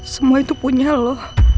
semua itu punya lo